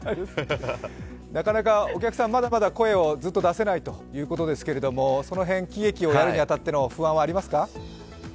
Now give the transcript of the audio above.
なかなかお客さん、まだまだ声をずっと出せないということですが、その辺、喜劇をやるに当たっての不安はありますか？